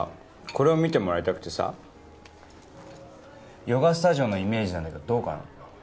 これを見てもらいたくてさヨガスタジオのイメージなんだけどどうかな？